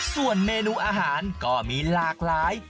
ส่วนเมนูอาหารก็มีหลากหลาย